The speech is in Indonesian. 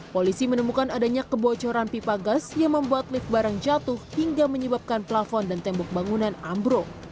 polisi menemukan adanya kebocoran pipa gas yang membuat lift barang jatuh hingga menyebabkan plafon dan tembok bangunan ambruk